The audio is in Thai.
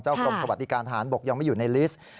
เจ้ากรมขวัติการฐานบกยังไม่อยู่ในลิสต์